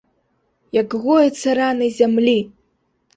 Як гояцца раны зямлі!